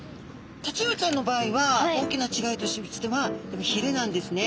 タチウオちゃんの場合は大きな違いとしてはひれなんですね。